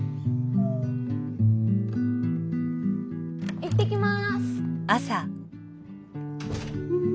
行ってきます！